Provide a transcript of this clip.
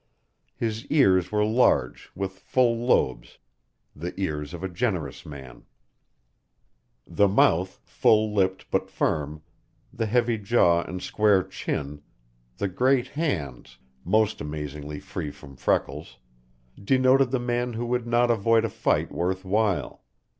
His ears were large, with full lobes the ears of a generous man. The mouth, full lipped but firm, the heavy jaw and square chin, the great hands (most amazingly free from freckles) denoted the man who would not avoid a fight worth while.